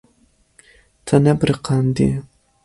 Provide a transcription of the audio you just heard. Te nebiriqandiye.